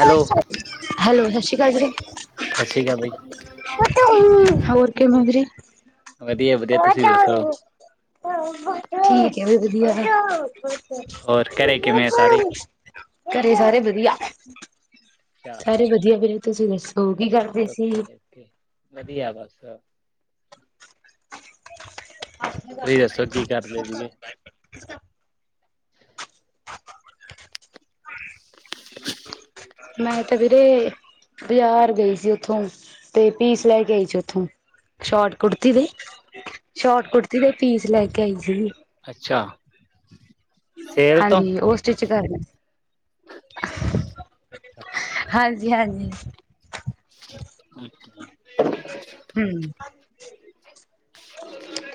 Hello hello ਸਸ ਸ੍ਰੀ ਕਾਲ ਜੀ। ਸਤਿ ਸ਼੍ਰੀ ਅਕਾਲ ਬਾਈ ਹੋਰ ਕਿਵੇਂ ਹੋ ਵੀਰੇ? ਵਧੀਆ ਵਧੀਆ ਤੁਸੀਂ ਦੱਸੋ ਠੀਕ ਹੈ ਵੀ ਵਧੀਆ ਹੋਰ ਘਰੇ ਕਿਵੇਂ ਸਾਰੇ [unintelligible] ਘਰੇ ਸਾਰੇ ਵਧੀਆ? ਅੱਛਾ ਸਾਰੇ ਵਧੀਆ ਵੀਰੇ, ਤੁਸੀਂ ਦੱਸੋਂ ਕੀ ਕਰਦੇ ਸੀ ਕੇ, ਵਧੀਆ ਬੱਸ। ਤੁਸੀਂ ਦੱਸੋ ਕੀ ਕਰਦੇ ਸੀਗੇ? ਮੈਂ ਤੇ ਵੀ ਤੇ ਬਾਜ਼ਾਰ ਗਈ ਸੀ ਉੱਥੋਂ ਤੇ ਪੇਟੀਸ ਲੈ ਕੇ ਆਈ ਸੀ ਉੱਥੋਂ। ਸ਼ੋਟ ਕੁੜਤੀ ਦੇ, ਸ਼ੋਟ ਕੁੜਤੀ ਦੇ ਪੀਸ ਲੈ ਕੇ ਆਈ ਸੀਗੀ ਅੱਛਾ ਸੇਲ ਤੋਂ ਹਾਂਜੀ ਉਹ ਸਟਿਚ ਕਰ ਅੱਛਾ, ਹਾਂਜੀ ਹਾਂਜੀ ਅੱਛਾ ਹੂ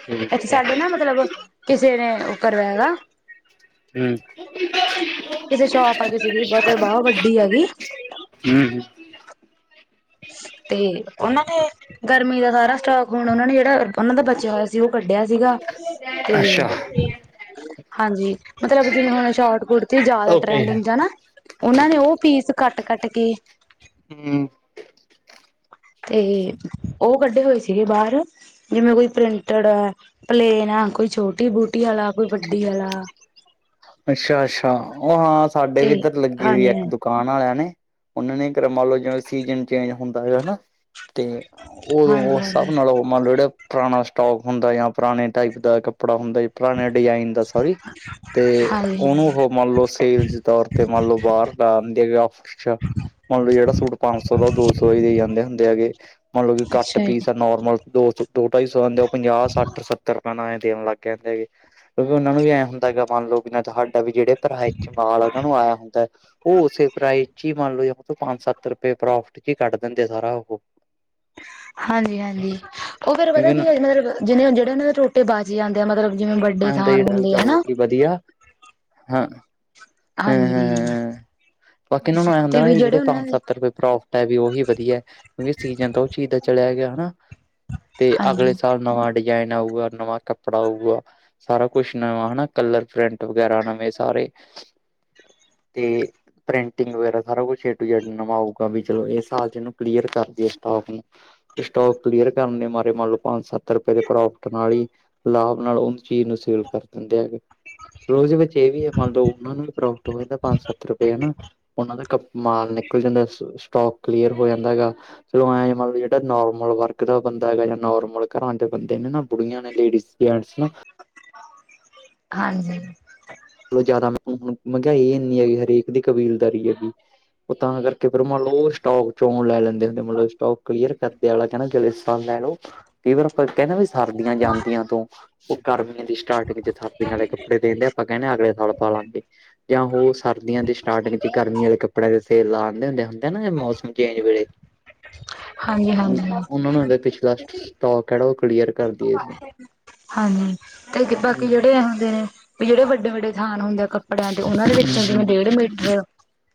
ਠੀਕ ਇੱਥੇ ਹੈ ਸਾਡੇ ਨਾ ਮਤਲਬ, ਕਿਸੇ ਨੇ ਉਹ ਕਰਵਾਇ ਹੈਗਾ ਹਮ ਕਿਸੇ ਸ਼ੋਪ ਆ ਕਿਸੇ ਦੀ ਮਤਲਬ ਬਹੁਤ ਬਾਹਵਾ ਵੱਡੀ ਹੈਗੀ [unintelligible] ਹੂ ਹੂ ਤੇ ਉਹਨਾਂ ਨੇ ਗਰਮੀ ਦਾ ਸਾਰਾ ਸਟਾਕ ਹੋਣਾ, ਉਹ ਨੇ ਜਿਹੜਾ ਉਹਨਾਂ ਦਾ ਬਚਿਆ ਹੋਇਆ ਉਹ ਕੱਢਿਆ ਸੀਗਾ ਤੇ ਅੱਛਾ ਹਾਂਜੀ ਮਤਲਬ ਜਿਵੇਂ ਹੁਣ ਸ਼ੋਟ ਕੁੜਤੀ, ਜ਼ਿਆਦਾ ਓਕੇ ਟਰੈਂਡਿੰਗ ਚ ਹੈ ਉਹਨਾਂ ਨੇ ਉਹ ਪੀਸ ਕੱਟ ਕੱਟ ਕੇ ਹੂ ਤੇ ਉਹ ਕੱਢੇ ਹੋਏ ਸੀਗੇ ਬਾਹਰ ਜਿਵੇਂ ਕੋਈ ਪ੍ਰਿੰਟਡ ਐ, ਪਲੇਨ ਆ ਕੋਈ ਛੋਟੀ ਬੂਟੀ ਵਾਲਾ ਕੋਈ ਵੱਡੀ ਵਾਲਾ। ਅੱਛਾ ਅੱਛਾ, ਉਹ ਹਾਂ ਸਾਡੇ ਵੀ ਤੇ ਇੱਧਰ ਲੱਗੀ ਹੋਈ ਐ ਹਾਂਜੀ ਇੱਕ ਦੁ ਦੁਕਾਣ ਵਾਲਾ ਹੈ ਨੀ ਉਹਨਾਂ ਨੇ ਇਕ, ਮੰਨ ਲਓ ਜਿਵੇ ਸੀਜਨ ਚੇਂਜ ਹੁੰਦਾ ਹੈਗਾ ਹੈਨਾ ਤੇ ਹਾਂਜੀ ਔ ਹਾਂਜੀ ਸਬ ਹਾਂਜੀ ਨਾਲੋਂ ਮੰਨ ਲਓ ਜਿਹੜਾ ਪੁਰਾਣਾ ਸਟੋਕ ਹੁੰਦਾ ਆ, ਜਾਂ ਪੁਰਾਣੇ ਟਾਈਪ ਦਾ ਕੱਪੜਾ ਹੁੰਦਾ ਐ, ਪੁਰਾਣੇ ਡਿਜ਼ਾਇਨ ਦਾ ਸੋਰੀ। ਤੇ ਹਾਂਜੀ ਉਹਨੂੰ ਹਾਂਜੀ ਉਹ ਮੰਨ ਲਓ, ਸੇਲ ਤੌਰ ਤੇ ਮੰਨ ਲਓ ਬਾਹਰ ਲਾ ਦਦੇ ਹੈ ਆਫਿਸ ਚ ਮਤਲਬ ਜਿਹੜਾ ਸੂਟ ਪੰਜ ਸੌ ਦਾ, ਉਹ ਦੋ ਸੌ ਹੀ ਦੇ ਜਾਂਦੇ ਹੁੰਦੇ ਹੈਗੇ, ਮਤਲਬ ਕਿ ਕੱਟ ਅੱਛਾ ਜੀ ਪੀਸ ਨੋਰਮਲ ਦੋ ਸੌ ਦੋ ਢਾਈ ਸੌ ਹੁੰਦੇ ਉਹ ਪੰਜਾਹ ਸੱਠ ਸੱਤਰ ਨਵੇ ਦੇਣ ਲੱਗ ਜਾਂਦੇ ਐ, ਕਿਉਂਕਿ ਉਹਨਾਂ ਨੂੰ ਵੀ ਐਂ ਹੁੰਦਾ ਗਾ ਮੰਨ ਲਓ ਬਿ ਤੁਹਾਡਾ ਵੀ ਜਿਹੜੇ ਪ੍ਰਾਈਜ ਚ ਮਾਲ ਉਹਨਾ ਨੂੰ ਆਇਆ ਹੁੰਦਾ ਐ ਉਹ ਉਸੇ ਪ੍ਰਾਈਜ਼ ਚ ਹੀ, ਮੰਨ ਲਓੂ ਪੰਜ ਸੱਤ ਰੁਪਏ ਪ੍ਰੋਫਿਟ ਚ ਹੀ ਕੱਢ ਦਿੰਦੇ ਸਾਰਾ ਉਹ। ਹਾਂਜੀ ਹਾਂਜੀ, ਉਹ ਫੇਰ ਪਤਾ ਕਿਉਂਕਿ ਕੀ ਅੱਜ ਮਤਲਬ ਜਿਵੇਂ ਜਿਹੜੇ ਉਹਨਾਂ ਦੇ ਟੋਟੇ ਬਾਚ ਆ ਜਾਂਦੇ ਆ, ਮਤਲਬ ਜਿਵੇਂ ਬ ਵੱਡੇ ਹੁੰਦਾ ਥਾਨ ਜਿਹੜਾ ਵੀ ਹੁੰਦੇ ਆ ਚਲੋ ਹੈਨਾ। ਵੀ ਵਧੀਆ ਹਾਂ ਹੈ ਹੈ ਹਾਂਜੀ ਹੈਂ ਬਾਕੀ ਇਹਨਾਂ ਨੂੰ ਐ ਹੁੰਦਾ ਤੇ ਨਾ, ਵੀ ਜਿਹੜੇ ਉਹਨਾਂ ਪੰਜ ਦੇ ਸੱਤ ਰੁਪਏ ਪ੍ਰੋਫ ਐ ਵੀ ਉਹੀ ਵਧੀਆ, ਕਿਉਂਕਿ ਸੀਜਨ ਤਾਂ ਉਹ ਚੀਜ਼ ਦਾ ਚਲਿਆ ਗਿਆ ਹੈਨਾ ਤੇ ਅਗਲੇ ਸਾਲ ਨਵਾਂ ਡਿਜ਼ਾਇਨ ਆਊਗਾ, ਨਵਾਂ ਕੱਪੜਾ ਆਊਗਾ। ਸਾਰਾ ਕੁਛ ਨਵਾਂ ਹੈਨਾ, ਕਲਰ ਪ੍ਰਿੰਟ ਵਗੈਰਾ ਨਵੇਂ ਸਾਰੇ ਤੇ ਪ੍ਰਿੰਟਿੰਗ ਵਗੈਰਾ ਸਾਰਾ ਕੁਛ ਏ ਟੂ ਜੈਡ ਨਵਾਂ ਹੋਊਗਾ, ਚਲੋ ਇਹ ਸਾਲ ਇਹਨੂੰ ਕਲੀਅਰ ਕਰ ਦੀਏ ਸਟੋਕ ਨੂੰ। ਸਟੋਕ ਕਲੀਅਰ ਕਰਨ ਮਾਰੇ ਮੰਨ ਲਓ, ਪੰਜ ਸੱਤ ਰੁਪਏ ਦੇ ਪ੍ਰੋਫਿਟ ਨਾਲ ਹੀ ਲਾਭ ਨਾਲ ਉਹ ਚੀਜ਼ ਨੂੰ ਸੇਲ ਕਰ ਦਿੰਦੇ ਹੈਗੇ, ਫਰ ਉਹ ਦੇ ਵਿੱਚ ਇਹ ਵੀ ਐ, ਮੰਨ ਲਓ ਉਹ ਨੂੰ ਟ ਹੋ ਜਾਂਦਾ ਪੰਜ ਸੱਤ ਰੁਪਏ ਹੈਨਾ, ਉਹਨਾਂ ਦਾ ਕ ਮਾਲ ਨਿਕਲ ਜਾਂਦਾ ਸਟੋਕ ਕਲੀਅਰ ਹੋ ਜਾਂਦਾ ਹੈਗਾ। ਚੱਲੋ ਐਂ ਆ, ਮਤਲਬ ਜਿਹੜਾ ਨੋਰਮਲ ਵਰਗ ਦਾ ਬੰਦਾ ਹੈਗਾ ਜਾਂ ਨੋਰਮਲ ਘਰਾਂ ਦੇ ਬੰਦੇ ਨੇ ਨਾ ਕੁੜੀਆਂ ਨੇ, ਲੇਡੀ ਜੈਂਟਸ ਨਾ ਹਾਂਜੀ ਚਲੋ ਜ਼ਿਆਦਾ ਹੁ ਮਹਿੰਗਾਈ ਇੰਨੀ ਹੈਗੀ, ਹਰੇਕ ਦੀ ਕਬੀਲਦਾਰੀ ਹੈਗੀ ਉਹ ਤਾਂ ਕਰਕੇ ਫਿਰਰ ਮੰਨ ਲ ਉਹ ਸਟੋਕ ਚੋਣ ਲੈ ਲੈਂਦੇ ਹੁੰਦੇ। ਮਤਲਬ ਸਟੋਕ ਕਲੀਅਰ ਕਰ। ਆ ਕਹਿੰਦਾ ਜਲ ਸਤਾਨ ਲੈ ਲਓ। ਫੇਰ ਕਹਿੰਦਾ ਵੀ ਸਰਦੀਆਂ ਜਾਂਦੀਆਂ ਤੋਂ। ਉਹ ਗਰਮੀਆਂ ਦੀ ਸਟਾਰਟਿੰਗ ਚ ਥਦੀਆਂ ਵਾਲੇ ਕੱਪੜੇ ਦਿੰਦੇ ਆ। ਆਪਾਂ ਕਹਿੰਦੇ ਅਗਲੇ ਸਾਲ ਪਾ ਲਾਂਗੇ। ਜਾਂ ਹੋ ਸਰਦੀਆਂ ਦੀ ਸਟਾਰਟਿੰਗ ਚ ਗਰਮੀ ਦੇ ਕੱਪੜਿਆਂ ਦੇ ਤੇ ਲ ਆਉਂਦੇ ਹੁੰਦੇ ਹੁੰਦੇ ਨਾ। ਮੌਸਮ ਚੇਂਜ ਵੇਲੇ ਉਹਨਾਂ ਨੂੰ ਇਹਦਾ ਪਿਛਲਾ ਹਾਂਜੀ-ਹਾਂਜੀ। ਸ਼ਟੋਕ ਜਿਹੜਾ ਉਹ ਕਲੀਅਰ ਕਰ ਦਈਏ ਅਸੀਂ। ਹਾਨੀ ਤੇ ਹੂੰ, ਬਾਕੀ ਜਿਹੜੇ ਹੁੰਦੇ ਨੇ। ਵੀ ਜਿਹੜੇ ਵੱਡੇ ਵੱਡੇ ਥਾਨ ਹੁੰਦੇ ਆ। ਕੱਪੜਿਆਂ ਦੇ ਉਹਨਾਂ ਦੇ ਵਿੱਚੋਂ ਹੂੰ, ਜਿਵੇਂ ਡੇਢ ਮੀਟਰ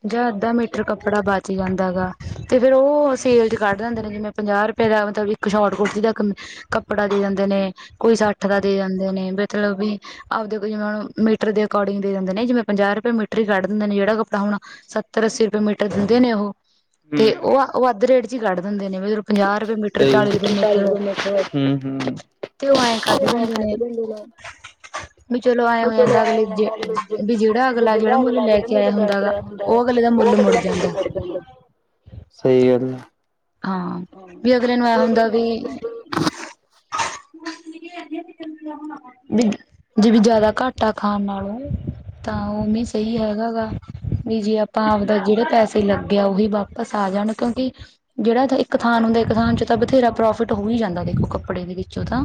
ਜਾਂ, ਅੱਧਾ ਮੀਟਰ ਕੱਪੜਾ ਬੱਚ ਜਾਂਦਾ ਗਾ। ਤੇ ਫੇਰ ਉਹ ਸੇਲ ਚ ਕੱਢ ਦਿੰਦੇ ਨੇ। ਜਿਵੇਂ ਪੰਜਾਹ ਰੁਪਏ ਦਾ ਮਤਲਬ ਇੱਕ ਸ਼ੋਟ ਕੁੁਰਤੀ ਦਾ ਕੱਪੜਾ ਦੇ ਦਿੰਦੇ ਜਾਂਦੇ ਨੇ। ਕੋਈ ਸੱਠ ਦਾ ਦੇ ਜਾਂਦੇ ਨੇ। ਮਤਲਬ ਵੀ ਆਪਦੇ ਕੋ ਮੀਟਰ ਦੇ ਅਕੋਡਿੰਗ ਦੇ ਦਿੰਦੇ ਨੇ। ਜਿਵੇਂ ਪੰਜਾਹ ਰੁਪਏ ਮੀਟਰ ਹੀ ਕੱਢ ਦਿੰਦੇ। ਜਿਹੜਾ ਕੱਪੜਾ ਹੁਣ ਸੱਤਰ ਅੱਸੀ ਰੁਪਏ ਮੀਟਰਰ ਦਿੰਦੇ ਨੇ। ਉਹ ਹੂੰ, ਤੇ ਉਹ ਉਹ ਅੱਧ ਰੇਟ ਚ ਹੀ ਕੱਢ ਦਿੰਦੇ ਨੇ। ਵੀ ਜਰੋਂ ਪੰਜਾਹ ਰੁਪਏ ਮੀਟਰ ਚਾਲੀ ਰੁਪਏ ਮੀਟਰ ਹਮ ਹਮ। ਤੇ ਉਹ ਐਏਂ ਕੱਢ ਦਿੰਦੇ ਨੇ। ਵੀ ਚਲੋ ਆਏਂ ਹੋ ਚਲੋ ਜਾਂਦਾ। ਐ ਅਗਲੇ ਹੋ ਜਾਂਦਾ ਅਗਲੇ ਵੀ ਜਿਹੜਾ ਅਗਲਾ ਜਿਹੜਾ ਮੁੱਲ ਅਗਲਾ ਲੈ ਜਿਹੜਾ ਕੇ ਆਇਆ ਮੈਨੂੰ ਹੁੰਦਾ ਕੇ ਗਾ। ਆਇਆ ਉਹ ਵਾ ਅਗਲੇ ਦਾ ਉਹ ਮੁੱਲ ਅਗਲੇ ਮੁੜ ਦਾ ਜਾਂਦਾ। ਮਿਲ ਜਾਂਦਾ। ਸਹੀ ਗੱਲ। ਹਾਂ। ਵੀ ਅਗਲੇ ਨੂੰ ਇਹ ਹੁੰਦਾ ਵੀ। ਵੀ ਜੇ ਵੀ ਜ਼ਿਆਦਾ ਘੱਟ ਆ ਖਾਣ ਨਾਲੋਂ ਤਾਂ ਉਵੇਂ ਸਹੀ ਕਹਿੰਦੇ ਹੈਗਾ ਗਾ। ਵੀ ਜੇ ਆਪਾਂ ਹੂੰ ਆਪਦਾ ਜਿਹੜੇ ਪੈਸੇ ਲੱਗੇ ਆ। ਉਹੀ ਵਾਪਸ ਆ ਜਾਣ ਕਿਉਂਕਿ ਜਿਹੜਾ ਇੱਕ ਥਾਨ ਹੁੰਦਾ। ਇੱਕ ਥਾਨ ਚੋ ਤਾਂ ਬਥੇਰਾ ਪ੍ਰੋਫਿਟ ਹੋ ਹੀ ਜਾਂਦਾ। ਦੇਖੋ ਕੱਪੜੇ ਦੇ ਵਿੱਚੋਂ ਤਾਂ।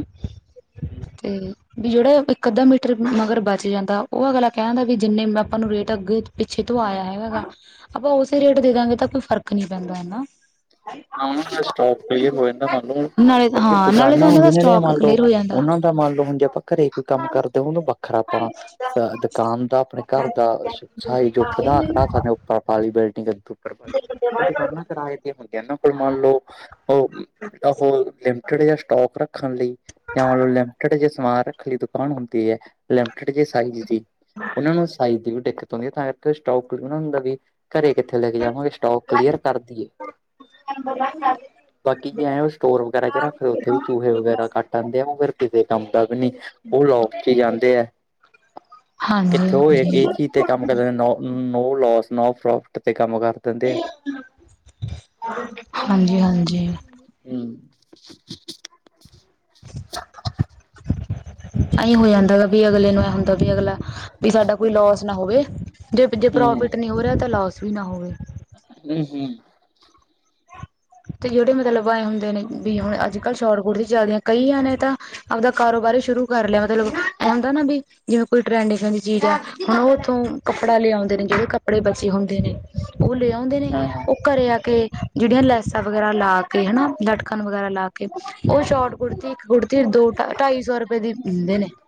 ਤੇ ਵੀ ਜਿਹੜਾ ਇਕ ਅੱਧਾ ਮੀਟਰ ਮਗਰ ਬਚ ਜਾਂਦਾ। ਉਹ ਅਗਲਾ ਕਹਿ ਦਿੰਦਾ ਵੀ ਜਿੰਨੇ ਮੈਂ ਆਪਾਂ ਨੂੰ ਰੇਟ ਅੱਗੇ ਪਿੱਛੇ ਤੋਂ ਆਇਆ ਹੈਗਾ ਗਗਾ। ਆਪਾਂ ਉਸੇ ਰੇਟ ਦੇ ਦਾਂਗੇ। ਇਹ ਤਾਂ ਕੋਈ ਫ਼ਰਕ ਨੀ ਪੈਂਦਾ ਐਨਾ। ਉਹ ਸਟੋਪ ਕਲੀਅਰ ਹੋ ਜਾਂਦਾ। ਮੰਨ ਲਓ ਨਾਲੇ ਕਿਉਂਕਿ ਹਾਂ ਨਾਲੇ ਤਾਂ ਦੁਕਾਨਾਂ ਉਹਨਾਂ ਦਾ ਹੁੰਦੀ ਨੇੜੀਆਂ ਸਟੋਕ ਮੰਨ ਲਓ। ਕਲੀਅਰ ਹੋ ਜਾਂਦਾ ਉਹਨਾਂ ਮੰਨ ਲਓ ਹੁਣ ਜੇ ਆਪਾਂ ਘਰੇ ਕੋਈ ਕੰਮ ਕਰਦੇ ਹਾਂ। ਉਹਨੂੰ ਵ ਬੱਖਰਾ ਆਪਾਂ ਦੁਕਾਨ ਦਾ ਆਪਣੇ ਘਰ ਦਾ ਸਾਈਜ਼ਪਧਾੜਾ ਸਾਨੇ ਉੱਪਰ ਪਾਲੀ ਬਿਲਡਿੰਗ ਉੱਪਰ ਪੀ ਉਹ ਦੁਕਾਨਾਂ ਕਿਰਾਏ ਤੇਂ ਹੁੰਦੇਆਂ ਨਾ। ਮੰਨ ਲਓ। ਉਹ ਉਹ ਲਿਮਟਿਡ ਜਹਾ ਸਟੋਕ ਰੱਖਣ ਲਈ। ਜਾਂਤਲਬ ਲਿਮਟਿਡ ਜ ਸਮਾਨ ਖਰੀ ਦੁਕਾਨ ਹੁੰਦੀ ਐ। ਲਿਮਟਡ ਜੇ ਸਾਈਜ਼ ਦੀ। ਹਾਂ। ਉਹਨਾਂ ਨੂੰ ਸਾਈਜ਼ ਦੀ ਵੀ ਦਿੱਕਤ ਆਉਂਦੀ ਹੈ। ਤਾਂ ਕਰਕੇ ਸਟੋਕ ਉਹ ਦਾ ਵੀ ਘਰੇ ਕਿੱਥੇ ਲੈ ਕੇ ਜਾਵਾਂਗੇ। ਸਟੋਕ ਕਲੀਅਰ ਕਰਦੀ ਏਂ। ਬ। ਬਾਕੀ। ਜੇ ਐਂ ਉਹ ਸਟੋਰ ਵਗੈਰਾ ਚ ਰੱਖਦੇ ਉੱਥੇ ਵੀ ਚੂਹੇ ਵਗੈਰਾ ਕੱਟ ਆਉਂਦੇ ਆ। ਉਹ ਫੇਰ ਕਿਸੇ ਕੰਮ ਦਾ ਵੀ ਨਹੀਂ। ਉਹ ਲੋਕ ਕੇ ਜਾਂਦੇ ਹੈ। ਹਾਂਜੀ ਹਾਂਜੀ। ਚੀਜ਼ ਤੇ ਕੰਮ ਕਰ ਦਿੰਦੇ ਨ। ਨੋ ਲੋਸ ਨੋ ਪ੍ਰੋਫਿਟ ਤੇ ਕੰਮ ਕਰ ਦਿੰਦੇ ਆ। ਹਾਂਜੀ ਹਾਂਜੀ। ਹਮ। ਅਈ ਹੋ ਜਾਂਦਾ ਗਾ। ਵੀ ਅਗਲੇ ਨੂੰ ਇਹ ਹੁੰਦਾ ਵੀ ਅਗਲਾ ਵੀ ਸਾਡਾ ਕੋਈ ਲੋਸ ਨਾ ਹੋਵੇ। ਜੇ ਜੇ ਹੂੰ ਪ੍ਰੋਫਿਟ ਨਹੀਂ ਹੋ ਰਿਹਾ ਤਾਂ ਲੋਸ ਵੀ ਨਾ ਹੋਵੇ। ਹਮ ਹਮ। ਤੇ ਜਿਹੜੇ ਮਤਲਬ ਆਏਂ ਹੁੰਦੇ ਨੇ। ਵੀ ਹੁਣ ਅੱਜ ਕੱਲ੍ਹ ਸ਼ੋਟਕਟ ਦੀ ਚੱਲਦੀਆਂ ਕਈਆਂ ਨੇ ਤਾਂ ਆਪਦਾ ਕਾਰੋਬਾਰ ਹੀ ਸ਼ੁਰੂ ਕਰ ਲਿਆ। ਮਤਲਬ ਹੁੰਦਾ ਨਾ ਵੀਂ ਜਿਵੇਂ ਕੋਈ ਟਰੈਂਡ ਇ ਦਾ ਦੀ ਚੀਜ਼ ਹੈ, ਹੁਣ ਔਥੌ ਕੱਪੜਾ ਲਿਆਉਂਦੇ ਨੇ, ਜੋ ਵੀ ਕੱਪੜੇ ਬਚੇ ਹੁੰਦੇ ਨੇ ਔ ਲਿਆ। ਹਦੇ ਨੇ। ਹਾਂ ਉਹ ਹਾਂ ਘਰੇ ਆ ਕੇ ਜਿਹੜੀਆਂ ਲੈ। ਸਾ ਵਗੈਰਾ ਲਾ ਕੇ। ਹਨਾ ਲਟਕਣ ਵਗੈਰਾ ਲਾ ਕੇ। ਉਹ ਸ਼ੋਟ ਕੁੜਤੀ ਇੱਕ ਕੁੜਤੀ ਦੋ ਢਾਈ ਸੌ ਰੁਪਏ ਦੀ ਦਿੰਦੇ ਨੇ। ਹੂੰ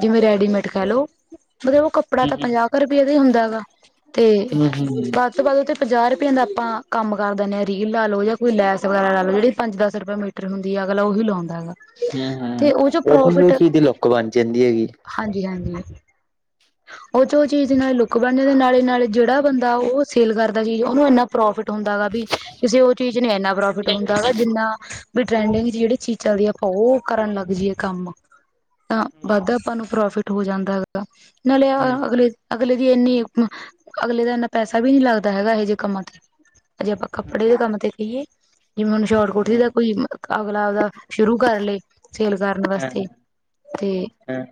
ਜਿਵੇਂ ਰੈਡੀਮੇਡ ਕਹਿੰਲ ਲੋ ਕੱਪੜਾ ਹੂੰ ਤਾਂ ਪੰਜਾਹ ਕੁ ਰੁਪਇਏ ਦਾ ਹੀ ਹੁੰਦਾ ਵਾ ਤੇ ਹੂੰ ਹੂੰ ਬਾਸ। ਤੋਂ ਬਾਅਦ ਉ ਪੰਜਾਹ ਰੁਪਏ ਦਾ ਆਪਾਂ ਕੰਮ ਕਰ ਦਿੰਦੇ ਰੀਲ ਲਾ ਲਓ ਜਾਂ ਕੋਈ ਲੈਸ ਵਗੈਰਾ ਲ ਲੋ ਜਿਹੜੀ ਪੰਜ ਦਸ ਰੁਪਏ ਮੀਟਰ ਹੁੰਦੀ ਅਗਲਾ ਉਹੀ ਲਾਉਂਦਾ ਹੈਗਾ। ਹਮ ਹਮ ਤੇ ਉਹ ਚੋਂ ਉਹਦ ਪ੍ਰੋਫਿਟ ਉਹ ਚੀਜ਼ ਦੀ ਲੁੱਕ ਬਣ ਜਾਂਦੀ ਹੈਗੀ। ਹਾਂਜੀ ਹਾਂਜੀ। ਉਹ ਚ ਉਹ ਚੀਜ਼ ਦੇ ਨਾਲ ਲੁੱਕ ਬਣ ਜਾਂਦੇ ਨਾਲੇ ਨਾਲ ਜਿਹੜਾ ਬੰਦਾ ਉਹ ਸੇਲ ਕਰਦਾ ਚੀਜ਼ ਉਹਨੂੰ ਇੰਨਾ ਪ੍ਰੋਫਿਟ ਹੁੰਦਾ ਗਾ ਵੀ ਕਿਸੇ ਉਹ ਚੀਜ਼ ਨ ਇਨਾ ਪ੍ਰੋਫਿਟ ਹੁੰਦਾ ਗਾ ਜਿੰਨਾ ਵੀ ਟਰੈਂਡਿੰਗ ਜਿਹੜੀ ਚੀਜ਼ ਚੱਲਦੀ ਆ ਆਪਾਂ ਉਹ ਕਰਨ ਲੱਗ ਜਾਈਏ ਕੰਮ। ਤਾਂ ਵੱਧਾ ਆਪਾਂ ਨੂੰ ਪ੍ਰੋਫਿਟ ਹੋ ਜਾਂਦਾ ਹੈਗਾ ਨਾਲੇ ਹੂੰ ਹੂੰ ਅਗਲੇ ਅਗਲੇ ਇੰਨੀ ਅਗਲੇ ਦਾ ਇੰਨਾ ਪੈਸਾ ਵੀ ਨੀ ਲੱਗਦਾ ਹੈਗਾ ਇਹ ਜਿਹੇ ਕੰਮਾਂ ਤੇ। ਅਜੇ ਆਪਾਂ ਕੱਪੜੇ ਦੇ ਹੂੰ, ਕੰਮ ਤੇ ਕਹੀਏ ਜਿਵੇਂ ਹੁਨ ਸ਼ੋਟ ਕੁੜਤੀ ਦਾ ਹਾਂ ਕੋਈ ਅਗਲਾ ਆਪਦਾ ਸ਼ੁਰੂ ਕਰ ਲਏ ਸੇਲ ਕਰਨ ਵਾਸਤੇ। ਤੇ ਹਾਂ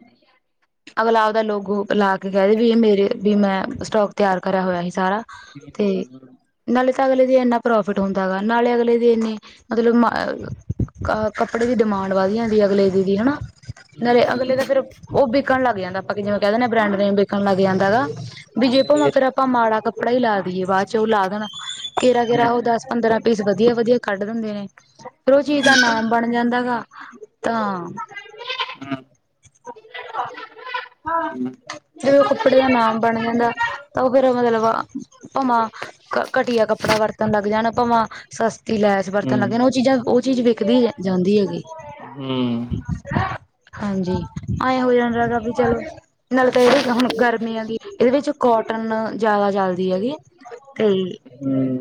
ਅਗਲਾ ਆਪਦਾ ਲੋਕ ਲਾ ਕੇ ਕਹਿ ਦੇ ਵੀ ਇਹ ਮੇਰੇ ਵੀ ਮੈਂ ਸਟੋਕ ਤਿਆਰ ਕਰਿਆ ਹੋਇਆ ਸੀ ਸਾਰਾ। ਹਮ ਤੇ ਹਮ ਹਮ ਹਮ। ਨਾਲੇ ਤਾਂ ਅਗਲੇ ਦੀ ਇੰਨਾ ਪ੍ਰੋਫਿਟ ਹੁੰਦਾ ਗਾ ਨਾਲੇ ਅਗਲੇ ਦੀ ਇੰਨੇ ਮਤਲਬ ਕ ਕੱਪੜੇ ਦੀ ਡਿਮਾਂਡ ਵਧੀ ਜਾਂਦੀ ਅਗਲੇ ਦੀ ਵੀ ਹੈਨਾ। ਨਾਲ ਹੂੰ ਅਗਲੇ ਤਾਂ ਫੇਿਰ ਉਹ ਵਿਕਣ ਲੱਗ ਜਾਂਦਾ ਆਪਾਂ ਜਿਵੇਂ ਕਹਿ ਦੇਨੇ ਆ। ਫਰੈਂਡ ਵੇਖਣ ਲੱਗ ਜਾਂਦਾ ਹੈਗਾ ਵੀ ਜੀ ਫੇਰ ਫੇਿਰ ਆਪਾਂ ਮਾੜਾ ਕੱਪੜਾ ਹੀ ਲਾ ਦੇਈਏ ਬਾਅਦ ਚ ਉਹ ਲਾ ਦੇਣਾ ਕਿਰਾ ਹਾਂ, ਕਿਰਾ ਉਹ ਦਸ ਪੰਦਰਾਂ ਪੀਸ ਵਧੀਆ ਵਧੀਆ ਕੱਢ ਦਿੰਦੇ ਨੇ। ਫਰੋ ਹੂੰ ਚੀਜ਼ ਦਾ ਨਾਮ ਬਣ ਜਾਂਦਾ ਗਾ ਤਾਂ ਹਾਂ। ਹੂੰ। ਜ ਉਹ ਕੱਪੜੇ ਦਾ ਨਾਮ ਬਣ ਜਾਂਦਾ ਤਾਂ ਉਹ ਫੇਰ ਮਤਲਬ ਭਮਾ ਘਟੀਆ ਕੱਪੜਾ ਵਰਤਣ ਲਗ ਜਾਣ ਭਵਾ ਸਸਤੀ ਲੈ ਬਰਤਨ ਹੂੰ, ਲੱਗੇ ਹੂੰ। ਨੇ ਉਹ ਚੀਜ਼ਾਂ ਉਹ ਚੀਜ਼ ਵਿਕਦੀ ਜਾਂਦੀ ਹੈਗੀ। ਹੂੰ ਹਾਂਜੀ ਆਏਂ ਹੋ ਜਾਣ ਗ ਵੀ ਚਲੋ ਨਾਲ ਤਾਂ ਜਿਹੜੀ ਹੁਣ ਗਰਮੀ ਹੈਗੀ ਇਹਦੇ ਵਿੱਚ ਕੋਟਨ ਜਿਆਦਾ ਚਲਦੀ ਹੈਗੀ। ਹਮ।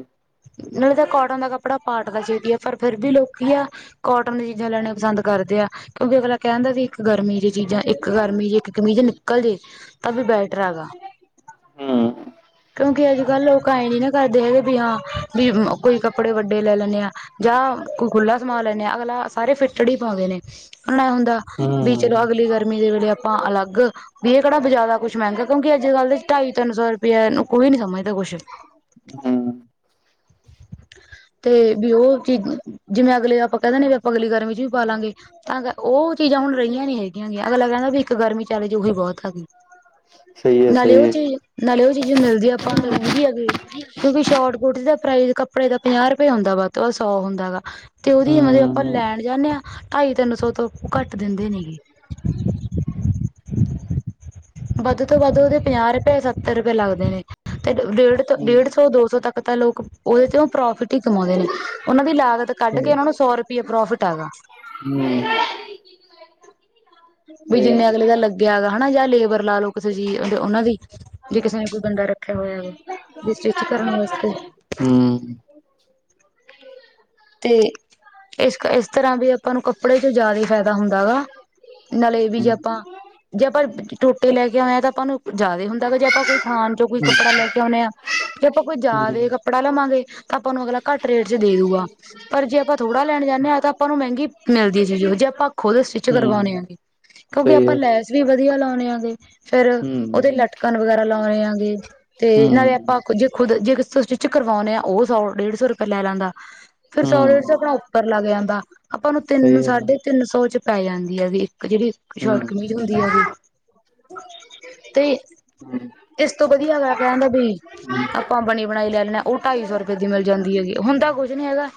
ਮ ਤਾਂ ਕੋਟਨ ਦਾ ਕੱਪੜਾ ਪਾਟਦਾ ਛੇਤੀ ਹੈ ਪਰ ਫੇਿਰ ਵੀ ਲੋਕੀ ਆ ਕੋਟਨ ਦੀਆਂ ਚੀਜ਼ਾਂ ਲੈਣੀਆਂ ਪਸੰਦ ਕਰਦੇ ਆ ਕਿਉਂਕਿ ਅਗਲਾ ਕਹਿਣਦਾ ਸੀ ਇੱਕ ਗਰਮੀ ਦੀ ਚੀਜ਼ਾਂ ਇੱਕ ਗਰਮੀ ਦੀ ਇੱਕ ਕਮੀਜ਼ ਨਿਕਲ ਜੇ ਤਾਂ ਵੀ ਬੈਟਰ ਹੈਗਾ। ਹਮ। ਕਿਉਂਕਿ ਅੱਜ ਕੱਲ੍ਹ ਲੋਕ ਆਏਂ ਨੀ ਨਾ ਕਰਦੇ ਹੈਗੇ ਵੀ ਹਾਂ ਵੀ ਕੋਈ ਕੱਪੜੇ ਵੱਡੇ ਲੈ ਲੈਣੇ ਆਂ। ਜਾਂ ਕੋ ਖੁੱਲਾ ਸਮਾਨ ਲੈਂਦੇ ਆਂ ਅਗਲਾ ਸਾਰੇ ਫਿੱਟੇਡ ਹੀ ਪਾਉਂਦੇ ਨੇ। ਨਾ ਹੁੰਦਾ ਹੂੰ ਵੀ ਚਲੋ ਅਗਲੀ ਗਰਮੀ ਦੇ ਵੇਲੇ ਆਪਾਂ ਅਲੱਗ ਵੀ ਇਹ ਕਿਹੜਾ ਜ਼ਿਆਦਾ ਕੁਛ ਮਹਿੰਗਾ ਕਿਉਂਕਿ ਅੱਜ ਕੱਲ੍ਹ ਦੇ ਢਾਈ ਤਿੰਨ ਸੌ ਰੁਪਇਆ ਨੂੰ ਕੋਈ ਨੀ ਸਮਝਦਾ ਕੁਛ। ਹੂੰ ਤੇ ਵੀ ਉਹ ਚੀਜ਼ ਜਿਵੇਂ ਅਗਲੇ ਆਪਾਂ ਕਹਿੰਦੇ ਵੀ ਆਪਾਂ ਅਗਲੀ ਗਰਮੀ ਚ ਵੀ ਪਾ ਲਾਂਗੇ ਤਾਂ ਉਹ ਚੀਜ਼ਾਂ ਹੁਣ ਰਹੀਆਂ ਨੀ ਹੈਗੀਆਂ ਗੀਆਂ ਅਗਲਾ ਕਹਿੰਦਾ ਵੀ ਇੱਕ ਗਰਮੀ ਚਾਲ ਜੁੱਗੀ ਬਹੁਤ ਹੈਗੀ ਸਹੀ ਹੈ ਨਾਲੇ ਸਹੀ ਉਹ ਹੈ ਚੀਜ਼ ਨਾਲੇ ਉਹ ਚੀਜ਼ ਮਿਲਦੀ ਆ ਆਪਾਂ ਨੂੰ ਹੂੰ ਮਹਿੰਗੀ ਹੈਗੀ। ਕਿਉਂਕਿ ਸ਼ੋਟਕੂਟ ਦਾ ਪ੍ਰਾਈਜ਼ ਕੱਪੜੇ ਦਾ ਪੰਜਾਹ ਰੁਪਏ ਹੁੰਦਾ ਵਾਤ ਸੌ ਹੁੰਦਾ ਗਾ। ਤੇ ਉਹਦੀ ਹੂੰ ਮਤਲਬ ਆਪਾਂ ਲੈਣ ਜਾਂਦੇ ਹਾਂ ਢਾਈ ਤਿੰਨ ਸੌ ਤੋਂ ਘੱਟ ਦਿੰਦੇ ਨੀ ਗੇ। ਹਮ। ਵੱਧ ਤੋਂ ਵੱਧ ਉਹਦੇ ਪੰਜਾਹ ਰੁਪਏ ਸੱਤਰ ਰੁਪਏ ਲੱਗਦੇ ਨੇ ਤੇ ਡੇਢ ਤੋਂ ਹੂੰ ਡੇਢ ਸੌ ਦੋ ਸੌ ਤੱਕ ਪਤਾ ਲੋਕ ਉਹਦੇ ਤੇ ਉਹ ਪ੍ਰੋਫਿਟ ਹੀ ਕਮਾਉਂਦੇ ਨੇ ਉਹਨਾਂ ਦੀ ਲਾਗਤ ਕੱਢ ਸਹੀ ਕੇ ਇਹਨਾਂ ਨੂੰ ਸੌ ਰੁਪਇਆ ਪ੍ਰੋਫਿਟ ਹੈਗਾ। ਹੂੰ। ਹੂੰ ਹੂੰ ਹੂੰ ਸਹੀ ਹੈ ਬਿਜਨਸ ਹੂੰ ਅਗਲੇ ਦਾ ਲੱਗਿਆਗਾ ਹੈਗਾ ਹੈਂਨਾ ਯਾ ਲੇਬਰ ਲਾਲਓ ਕੇ ਚੀਜ ਉਹਨਾਂ ਦੀ। ਜੇ ਕਿਸੇ ਨੇ ਕੋਈ ਬੰਦਾ ਰੱਖਿਆ ਹੋਇਆ ਤੇ ਜੇ ਸਟਿਚ ਕਰਨ ਵਾਸਤੇ। ਹੂੰ। ਤੇ ਇਸ-ਇਸ ਤਰ੍ਹਾਂ ਵੀ ਆਪਾਂ ਨੂੰ ਕੱਪੜੇ ਚ ਜ਼ਿਆਦਾ ਹੀ ਫਾਇਦਾ ਹੁੰਦਾਗਾ। ਨਾਲੇ ਵੀ ਜੇ ਆਪਾਂ ਜੇ ਆਪਾਂ ਟੋਟੇ ਲੈ ਕੇ ਆਏ ਹਾਂ ਤਾਂ ਆਪਾਂ ਨੂੰ ਜ਼ਿਆਦਾ ਹੁੰਦਾ ਜੇ ਆਪਾਂ ਕੋਈ ਥਾਣ ਚੋਂ ਕੋਈ ਕੱਪੜਾ ਲੈ ਕੇ ਆਉਂਦੇ ਹਾਂ ਜੇ ਆਪਾਂ ਕੋਈ ਜ਼ਿਆਦੇ ਕੱਪੜਾ ਲਵਾਂਗੇ ਤਾਂ ਆਪਾਂ ਉਹਨੂੰ ਅਗਲਾ ਘੱਟ ਰੇਟ ਚ ਦੇ ਦੂਗਾ। ਪਰ ਜੇ ਆਪਾਂ ਥੋੜਾ ਲੈਣ ਜਾਂਦੇ ਹਾਂ ਤਾਂ ਆਪਾਂ ਨੂੰ ਮਹਿੰਗੀ ਮਿਲਦੀ ਹੈ ਸੀ ਜੇ ਆਪਾਂ ਖੁਦ ਸਟਿਚ ਕਰਵਾਣੇ ਹੈਗੇ ਕਿਉਂਕਿ ਆਪਾਂ ਲੈਸ ਵੀ ਵਧੀਆ ਲਾਉਣੇ ਆ ਇਦੇ। ਫੇਰ ਉਹਦੇ ਲਟਕਣ ਵਗੈਰਾ ਲਾ ਰਹੇਗਾ ਤੇ ਨਾਲੇ ਆਪਾਂ ਜੇ ਖੁਦ ਜੇ ਤੁਸੀਂ ਚ ਕਰਵਾਉਂਦੇ ਆ ਉਹ ਸੌ-ਡੇਢ ਸੌ ਰੁਪਏ ਲੈ ਲੈਂਦਾ। ਫਿਰ ਸੋ-ਢੇਢ ਸੋ ਆਪਣਾ ਉੱਪਰ ਲੱਗ ਜਾਂਦਾ ਆਪਾਂ ਨੂੰ ਤਿੰਨ ਸਹੀ ਗੱਲ ਹੈ ਸਾਢੇ ਤਿਨ ਤੈਨੂ ਸੌਚ ਪੈ ਜਾਂਦੀ ਹੈ ਵੀ ਇੱਕ ਜਿਹੜੀ ਸ਼ੋਟ ਕਮੀ ਲੱਗ ਤੇ ਇਸ ਤੋਂ ਵਧੀਆ ਤੇ ਲੈਦਾ ਬਈ ਆਪਾਂ ਬਣੀ-ਬਣਾਈ ਲੈ ਲੈਦੇ ਹਾਂ ਉਹ ਢਾਈ ਸੌ ਰੁਪਏ ਦੀ ਮਿਲ ਜਾਂਦੀ ਹੈਗੀ, ਹੁੰਦਾ ਕੁੱਝ ਨੀ ਹੈਗਾ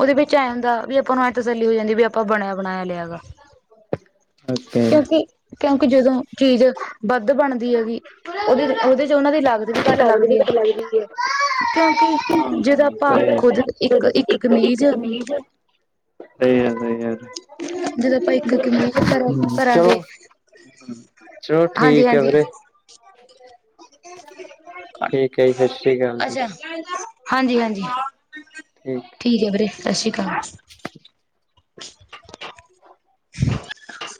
ਉਹਦੇ ਵਿੱਚ ਇਹ ਹੁੰਦਾ ਵੀ ਆਪਾਂ ਨੂੰ ਐ ਤਸੱਲੀ ਹੋ ਜਾਂਦੀ ਵੀ ਆਪਾਂ ਬਣਿਆ ਬਣਾਇਆ ਲਿਆ ਹੈਗਾ। ਅੱਛਾ। ਕਿਉਂਕਿ-ਕਿਉਂਕਿ ਜਦੋਂ ਚੀਜ਼ ਵੱਧ ਵਧ ਦੀ ਹੈਗੀ ਉਹਦ-ਉਹਦੇ ਚ ਉਹਨਾਂ ਦੀ ਲਾਗਤ ਵੀ ਘੱਟ ਰਹੀ ਲੱਗਦੀ ਹੈ। ਵੀ ਲੱਗ ਰਹੀ ਕਿਉਂਕਿ ਜਦੋਂ ਆਪਾਂ ਖੁਦ ਇੱਕ-ਇੱਕ ਤੇ ਇੱਕ ਕਮੀਜ, ਸਹੀ ਯਾਰ ਸਹੀ ਯਾਰ ਜਦੋਂ ਆਪਾਂ ਇੱਕ-ਇੱਕ ਨਹੀਂ ਜ ਕਰੋ ਕਰਾਂਗੇ। ਚਲੋ ਚਲੋ ਠੀਕ ਹੈ ਹਾਂਜੀ-ਹਾਂਜੀ, ਵੀਰੇ ਠੀਕ ਹੈ ਜੀ ਸਤਿ ਸ੍ਰੀ ਅਕਾਲ ਜੀ ਅੱਛਾ, ਹਾਂਜੀ-ਹਾਂਜੀ। ਠੀਕ। ਠੀਕ ਹੈ ਵੀਰੇ ਸਤਿ ਸ਼੍ਰੀ ਅਕਾਲ।